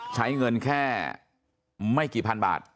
ใช้เงินแค่ไม่กี่พันบาท